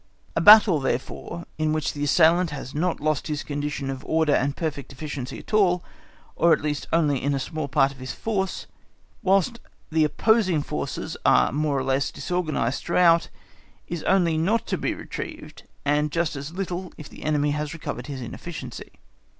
A battle, therefore, in which the assailant has not lost his condition of order and perfect efficiency at all, or, at least, only in a small part of his force, whilst the opposing forces are, more or less, disorganised throughout, is also not to be retrieved; and just as little if the enemy has recovered his efficiency.